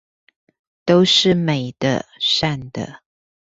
都是美的善的